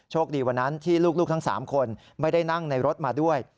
วันนั้นที่ลูกทั้ง๓คนไม่ได้นั่งในรถมาด้วย